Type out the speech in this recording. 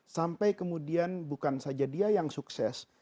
sampai kemudian bukan saja dia yang sukses